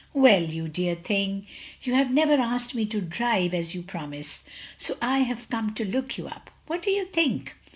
"Well, you dear thing, you have never asked me to drive, as you promised, so I have come to look you up. What do you think?